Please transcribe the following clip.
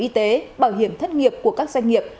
y tế bảo hiểm thất nghiệp của các doanh nghiệp